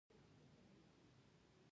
ګوروان وارخطا شو.